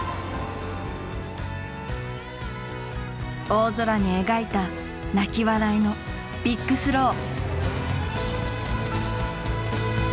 大空に描いた泣き笑いのビッグスロー。